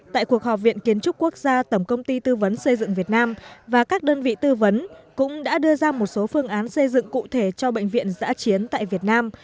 tại cuộc họp viện kiến trúc quốc gia tổng công ty tư vấn xây dựng việt nam và các đơn vị tư vấn cũng đã đưa ra một số phương án xây dựng cụ thể cho bệnh viện giã chiến tại việt nam